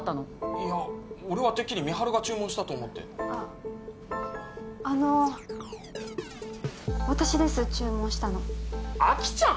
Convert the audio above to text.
いや俺はてっきり美晴が注文したと思ってあの私です注文したのあきちゃん！？